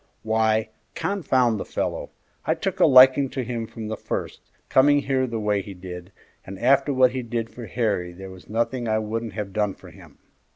"Why, confound the fellow! I took a liking to him from the first, coming here the way he did, and after what he did for Harry there was nothing I wouldn't have done for him.